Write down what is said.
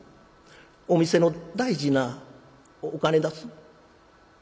お店の大事なお金だす」。